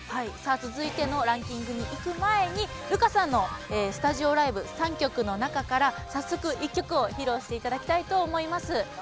さあ続いてのランキングにいく前にルカさんのスタジオライブ３曲の中から早速１曲を披露していただきたいと思います。